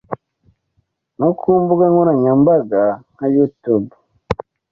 no ku mbuga nkoranyambaga nka Youtube,